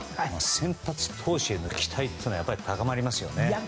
先発投手への期待は高まりますよね。